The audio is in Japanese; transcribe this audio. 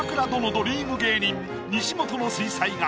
ドリーム芸人西本の水彩画。